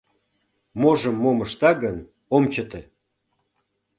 Можым мом ышта гын, ом чыте.